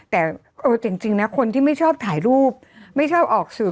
แต่เออจริงนะคนที่ไม่ชอบถ่ายรูปไม่ชอบออกสื่อ